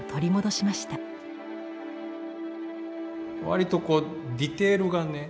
わりとこうディテールがね